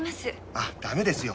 あっダメですよ。